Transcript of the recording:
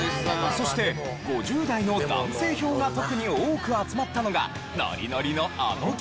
そして５０代の男性票が特に多く集まったのがノリノリのあの曲。